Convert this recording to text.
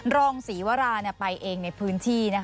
รองศรีวาราไม่ตายไปแน่ในในพื้นที่